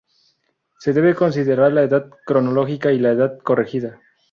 Se debe considerar la edad cronológica y la edad corregida.